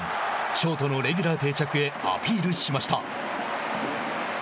ショートのレギュラー定着へアピールしました。